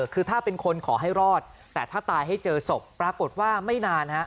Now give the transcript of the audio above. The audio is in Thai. คือถ้าเป็นคนขอให้รอดแต่ถ้าตายให้เจอศพปรากฏว่าไม่นาน